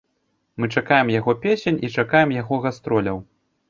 Мы чакаем яго песень, і чакаем яго гастроляў.